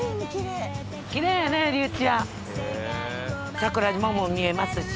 桜島も見えますし。